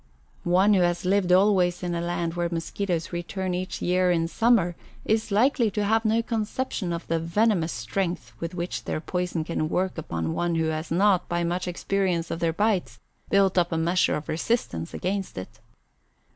One who has lived always in a land where mosquitoes return each year in summer is likely to have no conception of the venomous strength with which their poison can work upon one who has not, by much experience of their bites, built up a measure of resistance against it.